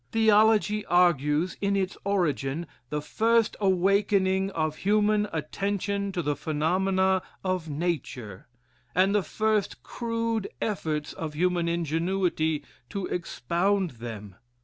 Theology argues, in its origin, the first awakening of human attention to the phenomena of nature, and the first crude efforts of human ingenuity to expound them.